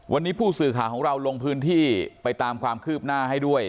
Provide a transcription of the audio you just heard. วันนี้ผู้สื่อข่าวของเราลงพื้นที่ไปตามความคืบหน้าให้ด้วย